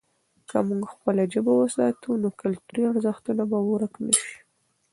که موږ خپله ژبه وساتو، نو کلتوري ارزښتونه به ورک نه سي.